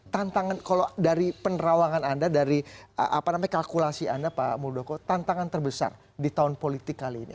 tantangan kalau dari penerawangan anda dari kalkulasi anda pak muldoko tantangan terbesar di tahun politik kali ini